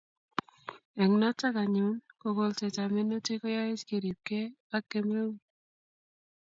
Eng' notok anyun ko kolset ab minutik koyaech keripkei ak kemeut